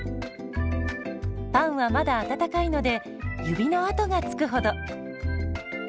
パンはまだ温かいので指の跡がつくほど。